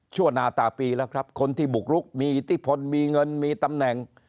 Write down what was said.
หน้าตาปีแล้วครับคนที่บุกรุกมีอิทธิพลมีเงินมีตำแหน่ง